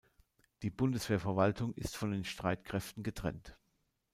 Die Bundeswehrverwaltung ist von den Streitkräften getrennt.